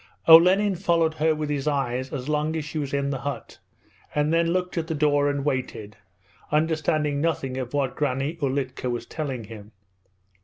Olenin followed her with his eyes as long as she was in the hut, and then looked at the door and waited, understanding nothing of what Granny Ulitka was telling him.